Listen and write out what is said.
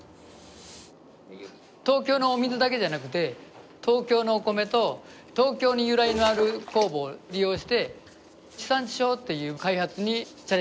東京のお水だけじゃなくて東京のお米と東京に由来のある酵母を利用して地産地消っていう開発にチャレンジしました。